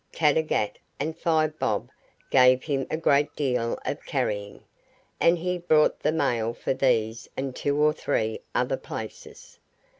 Caddagat and Five Bob gave him a great deal of carrying, and he brought the mail for these and two or three other places.